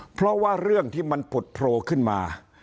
เพราะว่าเรื่องที่มันผุดโผล่ขึ้นมา